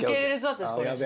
私これ。